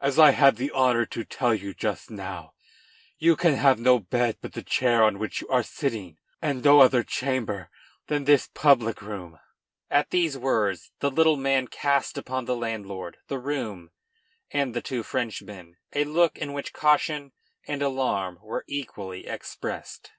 As I had the honor to tell you just now, you can have no bed but the chair on which you are sitting, and no other chamber than this public room." At these words the little man cast upon the landlord, the room, and the two Frenchmen a look in which caution and alarm were equally expressed.